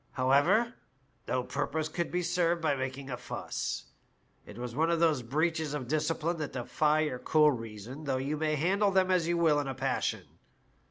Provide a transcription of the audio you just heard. However, no purpose could be served by making a fuss ; it was one of those breaches of discipline that defy your cool reason though you may handle them as you will in a passion.